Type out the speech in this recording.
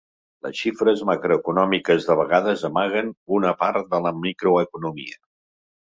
Les xifres macroeconòmiques de vegades amaguen una part de la microeconomia.